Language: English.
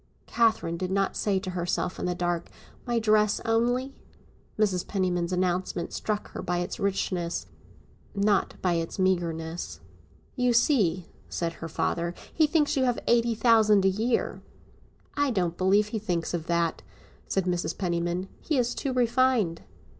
Catherine did not say to herself in the dark, "My dress only?" Mrs. Penniman's announcement struck her by its richness, not by its meagreness. "You see," said her father, "he thinks you have eighty thousand a year." "I don't believe he thinks of that," said Mrs. Penniman; "he is too refined."